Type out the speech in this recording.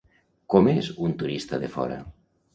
Com és un turista de fora?